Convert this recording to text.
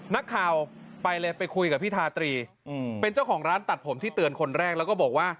นักข่าวไปเลยไปคุยกับพี่ทาตรีเป็นเจ้าของร้านตัดผมที่เตือนคนแรกแล้วก็บอกว่า